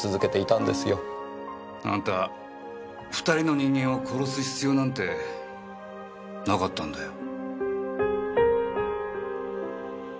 あんた２人の人間を殺す必要なんてなかったんだよ。